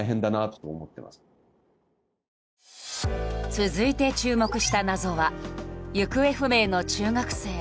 続いて注目した謎は行方不明の中学生。